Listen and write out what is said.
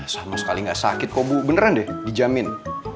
sama sekali nggak sakit kok bu beneran deh dijamin